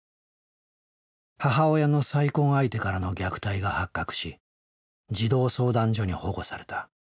母親の再婚相手からの虐待が発覚し児童相談所に保護された。